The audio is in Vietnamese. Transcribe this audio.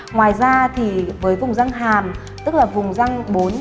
ngoài ra thì với vùng răng hàm tức là vùng răng bốn